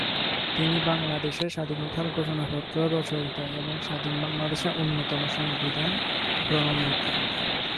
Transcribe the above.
তিনি বাংলাদেশের স্বাধীনতার ঘোষণাপত্র রচয়িতা এবং স্বাধীন বাংলাদেশের অন্যতম সংবিধান প্রণেতা।